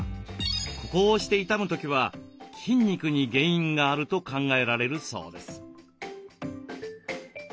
ここを押して痛む時は筋肉に原因があると考えられるそうです。